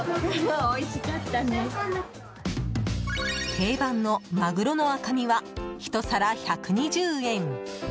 定番のマグロの赤身は１皿１２０円。